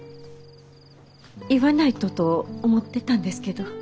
言わないとと思ってたんですけど。